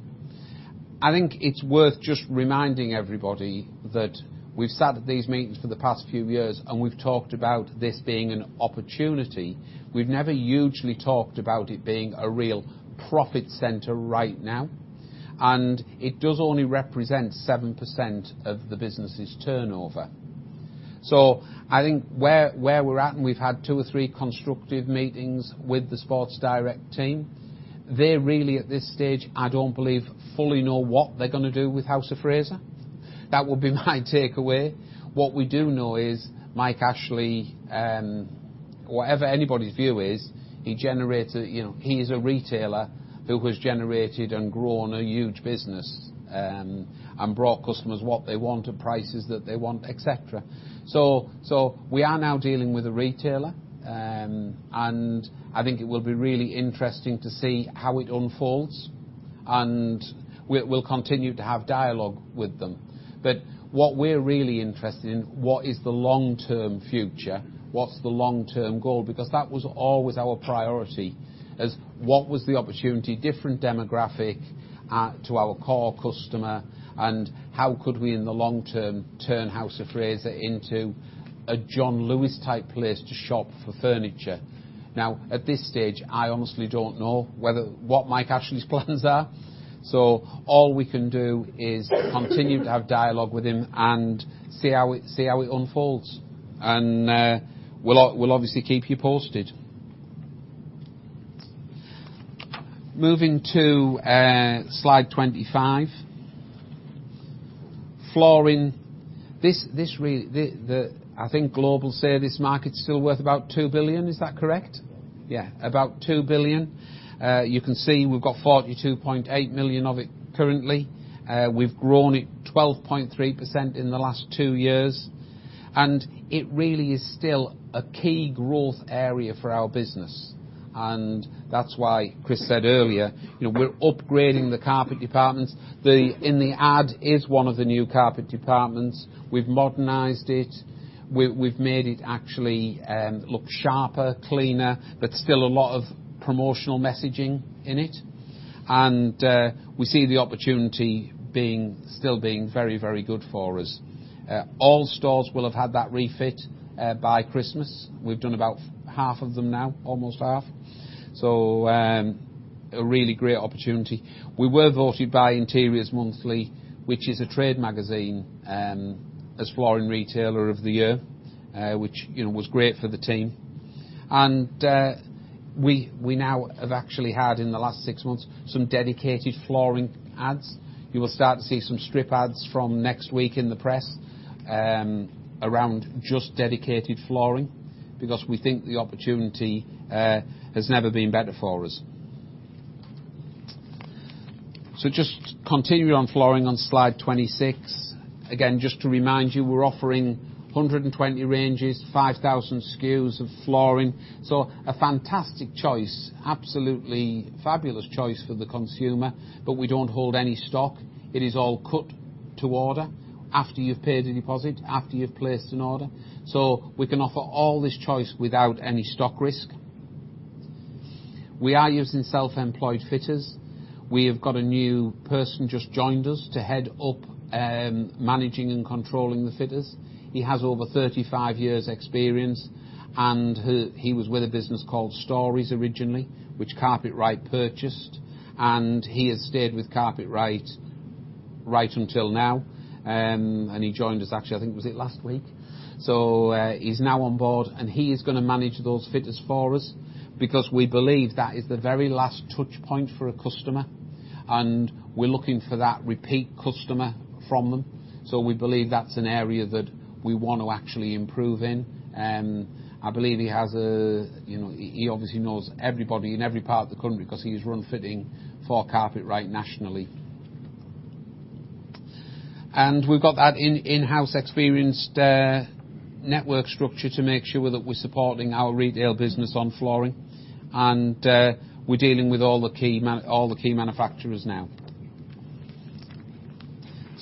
I think it is worth just reminding everybody that we have sat at these meetings for the past few years. We have talked about this being an opportunity. We have never hugely talked about it being a real profit center right now. It does only represent 7% of the business's turnover. I think where we're at, and we've had two or three constructive meetings with the Sports Direct team, they really at this stage, I don't believe fully know what they're going to do with House of Fraser. That would be my takeaway. What we do know is Mike Ashley, whatever anybody's view is, he is a retailer who has generated and grown a huge business and brought customers what they want, at prices that they want, etc. We are now dealing with a retailer. I think it will be really interesting to see how it unfolds. We'll continue to have dialogue with them. What we're really interested in, what is the long-term future? What's the long-term goal? Because that was always our priority as what was the opportunity, different demographic to our core customer, and how could we in the long term turn House of Fraser into a John Lewis-type place to shop for furniture? At this stage, I honestly do not know what Mike Ashley's plans are. All we can do is continue to have dialogue with him and see how it unfolds. We will obviously keep you posted. Moving to slide 25. Flooring. I think Global Service Market is still worth about 2 billion. Is that correct? Yeah. About 2 billion. You can see we have got 42.8 million of it currently. We have grown it 12.3% in the last two years. It really is still a key growth area for our business. That is why Chris said earlier, we are upgrading the carpet departments. In the ad is one of the new carpet departments. have modernized it. We have made it actually look sharper, cleaner, but still a lot of promotional messaging in it. We see the opportunity still being very, very good for us. All stores will have had that refit by Christmas. We have done about half of them now, almost half. A really great opportunity. We were voted by Interiors Monthly, which is a trade magazine, as Flooring Retailer of the Year, which was great for the team. We now have actually had in the last six months some dedicated flooring ads. You will start to see some strip ads from next week in the press around just dedicated flooring because we think the opportunity has never been better for us. Just continuing on flooring on slide 26. Again, just to remind you, we are offering 120 ranges, 5,000 SKUs of flooring. A fantastic choice, absolutely fabulous choice for the consumer. We do not hold any stock. It is all cut to order after you have paid a deposit, after you have placed an order. We can offer all this choice without any stock risk. We are using self-employed fitters. We have got a new person just joined us to head up managing and controlling the fitters. He has over 35 years' experience. He was with a business called Stories originally, which Carpetright purchased. He has stayed with Carpetright right until now. He joined us, actually, I think it was last week. He is now on board. He is going to manage those fitters for us because we believe that is the very last touchpoint for a customer. We are looking for that repeat customer from them. We believe that's an area that we want to actually improve in. I believe he obviously knows everybody in every part of the country because he has run fitting for Carpetright nationally. We've got that in-house experienced network structure to make sure that we're supporting our retail business on flooring. We're dealing with all the key manufacturers now.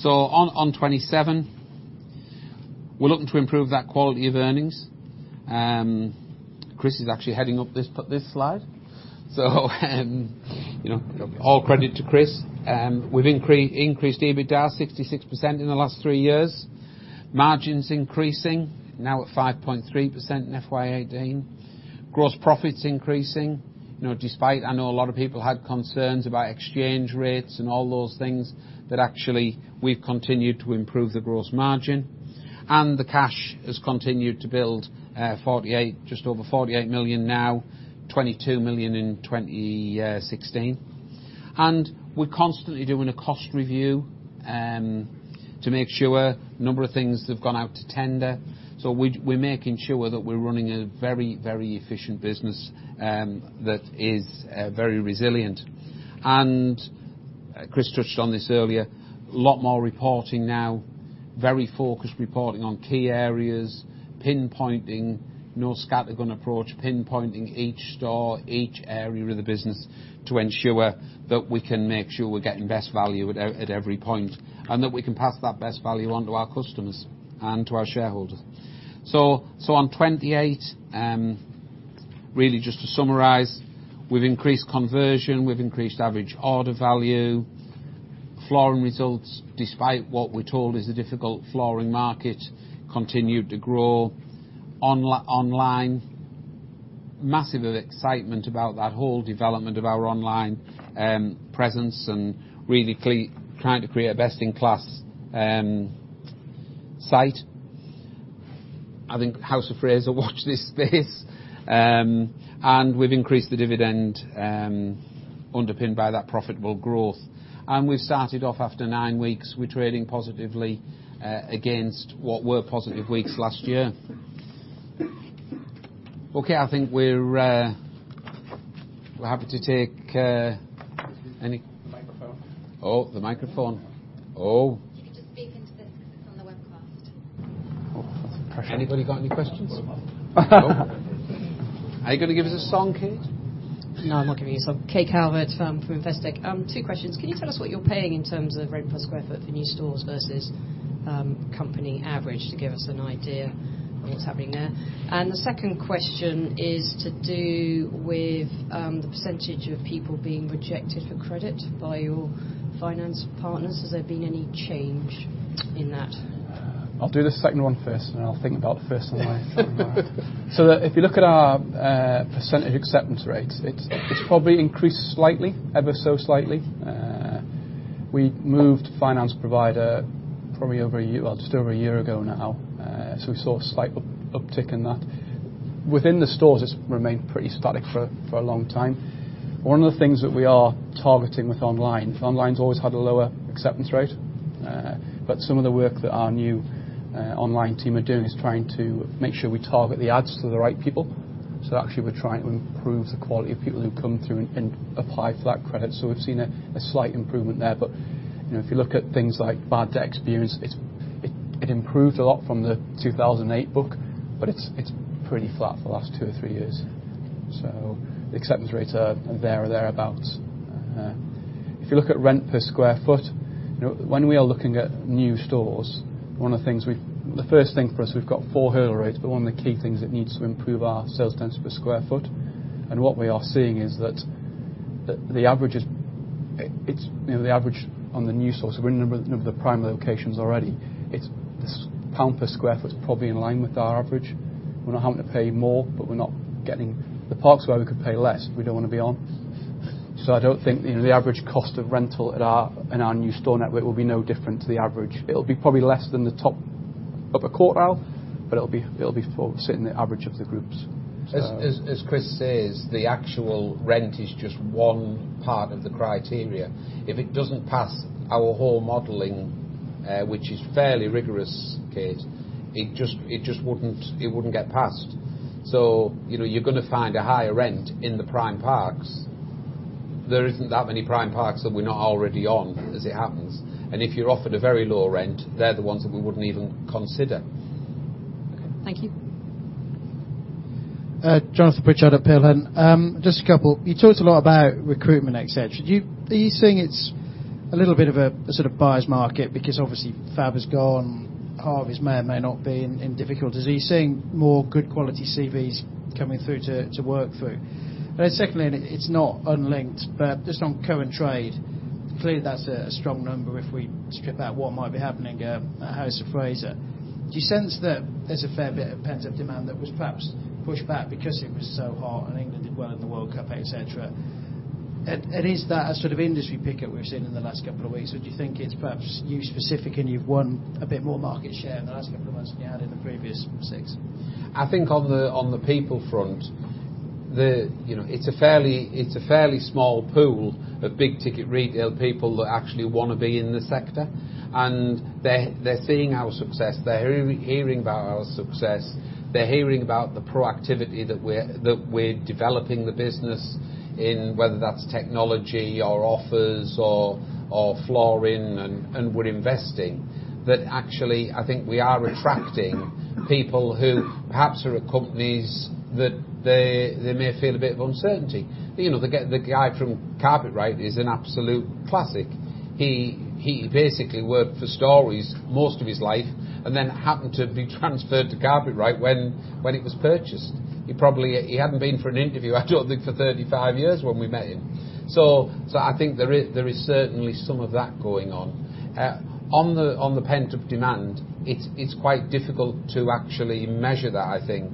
On 2027, we're looking to improve that quality of earnings. Chris is actually heading up this slide. All credit to Chris. We've increased EBITDA 66% in the last three years. Margin's increasing, now at 5.3% in FY 2018. Gross profit's increasing. Despite, I know a lot of people had concerns about exchange rates and all those things, we've continued to improve the gross margin. The cash has continued to build, just over 48 million now, 22 million in 2016. We're constantly doing a cost review to make sure a number of things have gone out to tender. We're making sure that we're running a very, very efficient business that is very resilient. Chris touched on this earlier, a lot more reporting now, very focused reporting on key areas, pinpointing North Scarlett Gunn approach, pinpointing each store, each area of the business to ensure that we can make sure we're getting best value at every point and that we can pass that best value on to our customers and to our shareholders. On 2028, really just to summarize, we've increased conversion. We've increased average order value. Flooring results, despite what we're told is a difficult flooring market, continued to grow. Online, massive excitement about that whole development of our online presence and really trying to create a best-in-class site. I think House of Fraser, watch this space. We have increased the dividend, underpinned by that profitable growth. We have started off after nine weeks. We are trading positively against what were positive weeks last year. Okay. I think we are happy to take any—the microphone. Oh, the microphone. Oh. You can just speak into this because it is on the webcast. Anybody got any questions? Are you going to give us a song, Kay? No, I am not giving you a song. Kay Carver from Investec. Two questions. Can you tell us what you are paying in terms of rate per square foot for new stores versus company average to give us an idea of what is happening there? The second question is to do with the percentage of people being rejected for credit by your finance partners. Has there been any change in that? I'll do the second one first, and I'll think about the first one. If you look at our percentage acceptance rates, it's probably increased slightly, ever so slightly. We moved finance provider probably just over a year ago now. We saw a slight uptick in that. Within the stores, it's remained pretty static for a long time. One of the things that we are targeting with online, online's always had a lower acceptance rate. Some of the work that our new online team are doing is trying to make sure we target the ads to the right people. Actually, we're trying to improve the quality of people who come through and apply for that credit. We've seen a slight improvement there. If you look at things like bad debt experience, it improved a lot from the 2008 book, but it's pretty flat for the last two or three years. The acceptance rates are there or thereabouts. If you look at rent per square foot, when we are looking at new stores, one of the things, the first thing for us, we've got four hurdle rates. One of the key things that needs to improve is our sales tendency per square foot. What we are seeing is that the average is the average on the new stores. We're in a number of the prime locations already. This GBP per square foot is probably in line with our average. We're not having to pay more, but we're not getting the parts where we could pay less we don't want to be on. I don't think the average cost of rental in our new store network will be no different to the average. It'll be probably less than the top of a quartile, but it'll be sitting the average of the groups. As Chris says, the actual rent is just one part of the criteria. If it doesn't pass our whole modeling, which is fairly rigorous, kid, it just wouldn't get passed. You're going to find a higher rent in the prime parks. There isn't that many prime parks that we're not already on as it happens. If you're offered a very low rent, they're the ones that we wouldn't even consider. Okay. Thank you. Jonathan Pritchard at Pearlin. Just a couple. You talked a lot about recruitment, etc. Are you seeing it's a little bit of a sort of buyer's market because obviously Fab has gone, Harvey's may or may not be in difficulties? Are you seeing more good quality CVs coming through to work through? Secondly, and it's not unlinked, just on current trade, clearly that's a strong number if we strip out what might be happening at House of Fraser. Do you sense that there's a fair bit of pent-up demand that was perhaps pushed back because it was so hot and England did well in the World Cup, etc.? Is that a sort of industry pickup we've seen in the last couple of weeks? Do you think it's perhaps you specifically and you've won a bit more market share in the last couple of months than you had in the previous six? I think on the people front, it's a fairly small pool of big-ticket retail people that actually want to be in the sector. They're seeing our success. They're hearing about our success. They're hearing about the proactivity that we're developing the business in, whether that's technology or offers or flooring and we're investing. Actually, I think we are attracting people who perhaps are at companies that they may feel a bit of uncertainty. The guy from Carpetright is an absolute classic. He basically worked for Stories most of his life and then happened to be transferred to Carpetright when it was purchased. He hadn't been for an interview, I don't think, for 35 years when we met him. I think there is certainly some of that going on. On the pent-up demand, it's quite difficult to actually measure that, I think.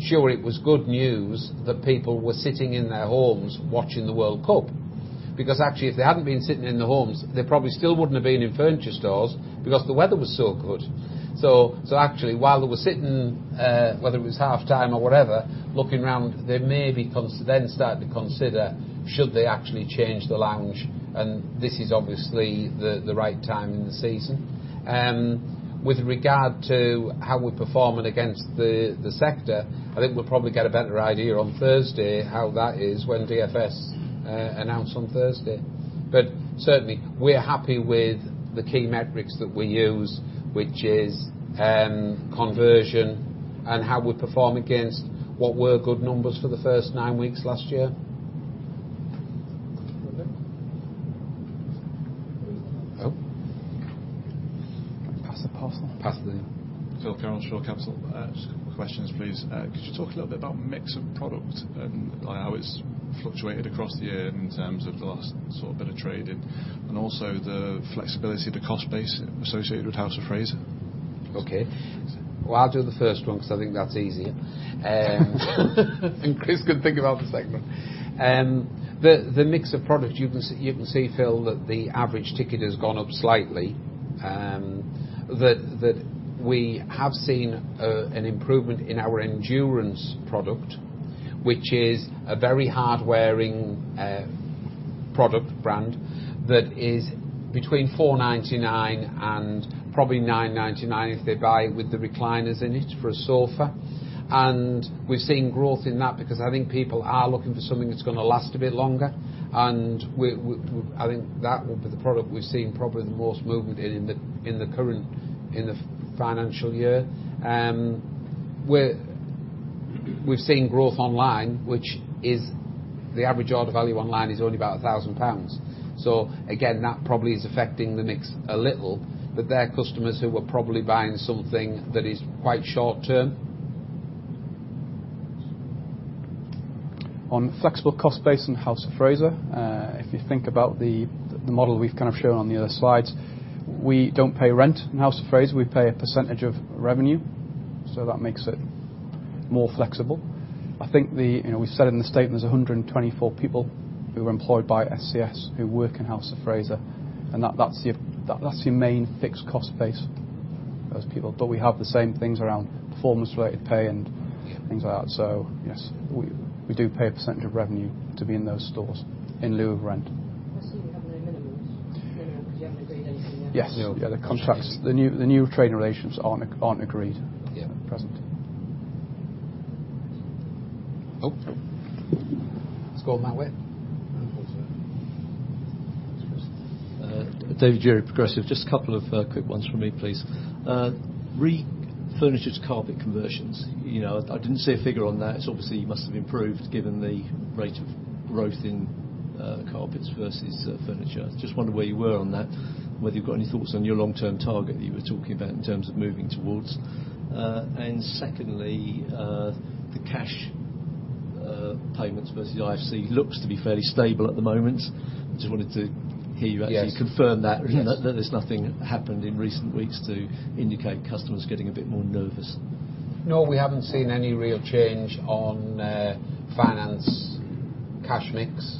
Sure, it was good news that people were sitting in their homes watching the World Cup. Because actually, if they hadn't been sitting in their homes, they probably still wouldn't have been in furniture stores because the weather was so good. Actually, while they were sitting, whether it was halftime or whatever, looking around, they maybe then started to consider, should they actually change the lounge? This is obviously the right time in the season. With regard to how we're performing against the sector, I think we'll probably get a better idea on Thursday how that is when DFS announce on Thursday. Certainly, we're happy with the key metrics that we use, which is conversion and how we perform against what were good numbers for the first nine weeks last year. Pass the parcel. Pass the. Carol, short council, just a couple of questions, please. Could you talk a little bit about mix of product and how it's fluctuated across the year in terms of the last sort of bit of trading and also the flexibility, the cost base associated with House of Fraser? Okay. I'll do the first one because I think that's easier. Chris can think about the second one. The mix of product, you can see, Phil, that the average ticket has gone up slightly, that we have seen an improvement in our Endurance product, which is a very hard-wearing product brand that is between 499 and probably 999 if they buy it with the recliners in it for a sofa. We've seen growth in that because I think people are looking for something that's going to last a bit longer. I think that will be the product we've seen probably the most movement in in the current financial year. We've seen growth online, which is the average order value online is only about 1,000 pounds. Again, that probably is affecting the mix a little, but there are customers who are probably buying something that is quite short-term. On flexible cost base in House of Fraser, if you think about the model we've kind of shown on the other slides, we don't pay rent in House of Fraser. We pay a percentage of revenue. That makes it more flexible. I think we said in the statement there are 124 people who are employed by ScS who work in House of Fraser. That's the main fixed cost base for those people. We have the same things around performance-related pay and things like that. Yes, we do pay a percentage of revenue to be in those stores in lieu of rent. I see you have not had minimums. Minimums, because you have not agreed anything yet. Yes. The new trade relations are not agreed at present. Let us go on that way. David Geary, Progressive. Just a couple of quick ones from me, please. Re-furniture to carpet conversions. I did not see a figure on that. It obviously must have improved given the rate of growth in carpets versus furniture. Just wonder where you were on that and whether you have any thoughts on your long-term target that you were talking about in terms of moving towards. Secondly, the cash payments versus IFC looks to be fairly stable at the moment. Just wanted to hear you actually confirm that there is nothing happened in recent weeks to indicate customers getting a bit more nervous. No, we haven't seen any real change on finance cash mix.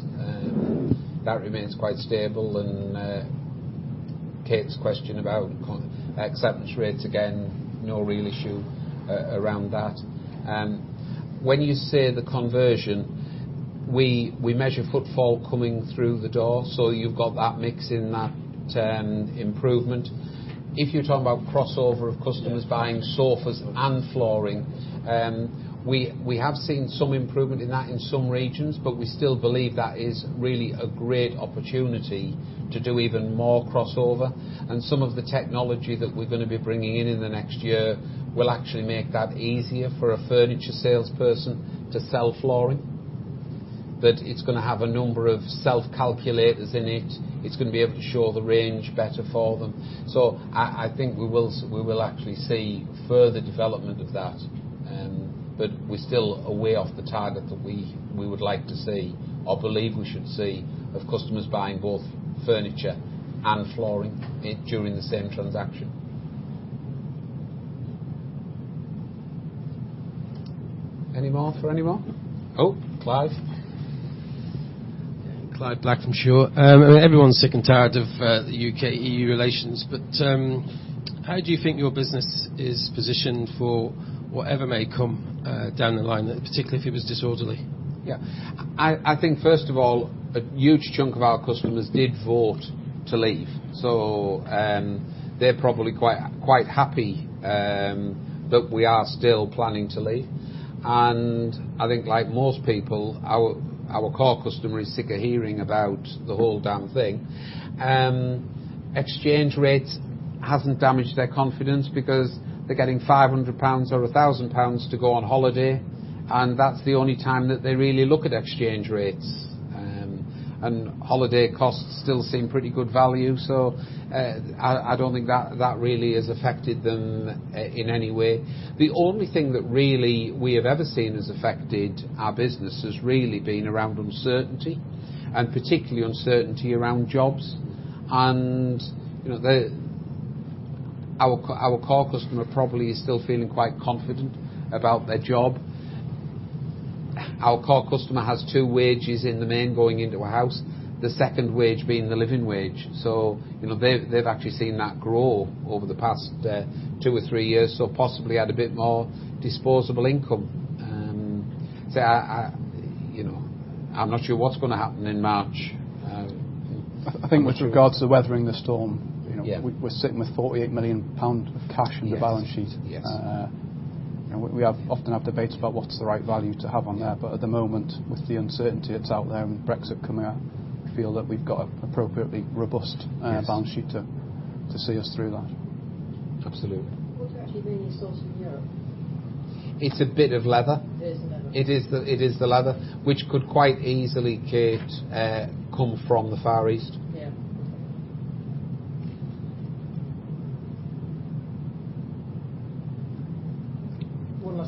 That remains quite stable. Kate's question about acceptance rates again, no real issue around that. When you say the conversion, we measure footfall coming through the door. You've got that mix in that improvement. If you're talking about crossover of customers buying sofas and flooring, we have seen some improvement in that in some regions, but we still believe that is really a great opportunity to do even more crossover. Some of the technology that we're going to be bringing in in the next year will actually make that easier for a furniture salesperson to sell flooring. It's going to have a number of self-calculators in it. It's going to be able to show the range better for them. I think we will actually see further development of that. We're still a way off the target that we would like to see or believe we should see of customers buying both furniture and flooring during the same transaction. Any more for anyone? Oh, Clive. Clive Black, I'm sure. Everyone's sick and tired of the U.K.-EU relations. How do you think your business is positioned for whatever may come down the line, particularly if it was disorderly? Yeah. I think, first of all, a huge chunk of our customers did vote to leave. They're probably quite happy that we are still planning to leave. I think, like most people, our core customer is sick of hearing about the whole damn thing. Exchange rate hasn't damaged their confidence because they're getting 500 pounds or 1,000 pounds to go on holiday. That's the only time that they really look at exchange rates. Holiday costs still seem pretty good value. I do not think that really has affected them in any way. The only thing that really we have ever seen has affected our business has really been around uncertainty and particularly uncertainty around jobs. Our core customer probably is still feeling quite confident about their job. Our core customer has two wages in the main going into a house, the second wage being the living wage. They have actually seen that grow over the past two or three years, so possibly had a bit more disposable income. I am not sure what is going to happen in March. I think with regards to weathering the storm, we are sitting with 48 million pound of cash in the balance sheet. We often have debates about what is the right value to have on that. At the moment, with the uncertainty that's out there and Brexit coming up, we feel that we've got an appropriately robust balance sheet to see us through that. Absolutely. What's actually bringing your stores in Europe? It's a bit of leather. It is leather. It is the leather, which could quite easily, Kate, come from the Far East.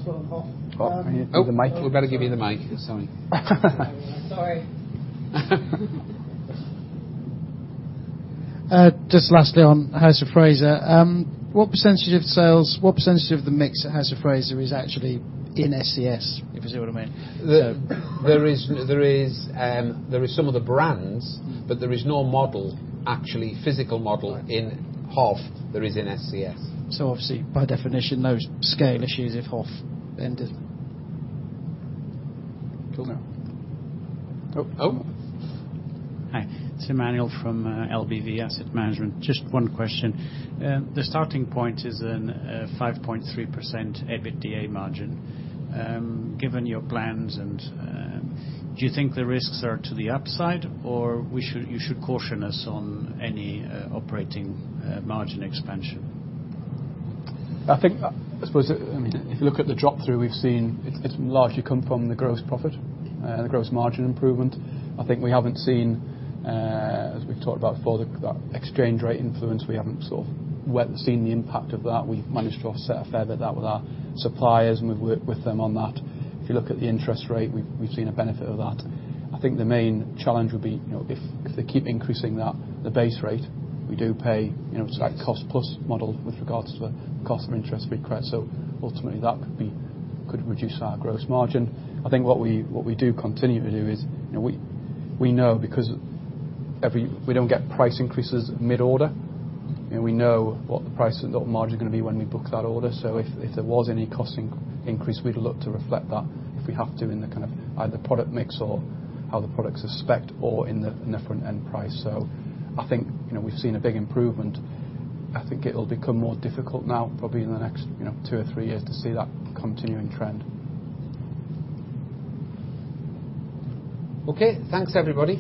Yeah. One last one. Oh, can you take the mic? We better give you the mic. Sorry. Sorry. Just lastly on House of Fraser, what percentage of sales, what percentage of the mix at House of Fraser is actually in ScS, if you see what I mean? There is some of the brands, but there is no model, actually physical model in House of Fraser that is in ScS. So obviously, by definition, those scale issues if House of Fraser ended. Cool. Oh. Hi. It's Emmanuel from LBV Asset Management. Just one question. The starting point is a 5.3% EBITDA margin. Given your plans, do you think the risks are to the upside or you should caution us on any operating margin expansion? I suppose if you look at the drop-through we've seen, it's largely come from the gross profit and the gross margin improvement. I think we haven't seen, as we've talked about before, that exchange rate influence. We haven't sort of seen the impact of that. We've managed to offset a fair bit of that with our suppliers and we've worked with them on that. If you look at the interest rate, we've seen a benefit of that. I think the main challenge would be if they keep increasing the base rate, we do pay, it's like cost-plus model with regards to the cost of interest required. Ultimately, that could reduce our gross margin. I think what we do continue to do is we know because we don't get price increases mid-order. We know what the price and the margin are going to be when we book that order. If there was any cost increase, we'd look to reflect that if we have to in the kind of either product mix or how the products are specced or in the end price. I think we've seen a big improvement. I think it will become more difficult now, probably in the next two or three years, to see that continuing trend. Okay. Thanks, everybody.